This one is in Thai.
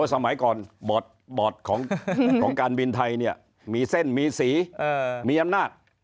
สมัยก่อนบอร์ดของการบินไทยเนี่ยมีเส้นมีสีมีอำนาจ